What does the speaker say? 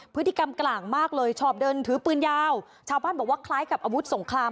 พฤติกรรมกลางมากเลยชอบเดินถือปืนยาวชาวบ้านบอกว่าคล้ายกับอาวุธสงคราม